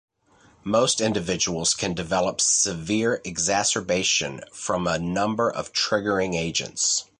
Most individuals can develop severe exacerbation from a number of triggering agents.